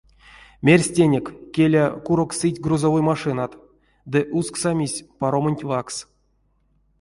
Мерсть тенек, келя, курок сыть грузовой машинат ды усксамизь паромонть ваксс.